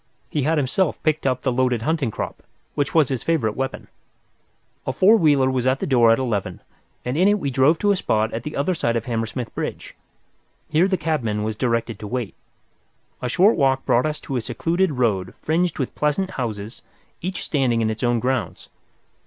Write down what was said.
He had himself picked up the loaded hunting crop, which was his favourite weapon. A four wheeler was at the door at eleven, and in it we drove to a spot at the other side of Hammersmith Bridge. Here the cabman was directed to wait. A short walk brought us to a secluded road fringed with pleasant houses, each standing in its own grounds.